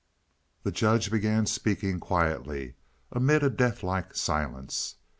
The judge began speaking quietly, amid a deathlike silence.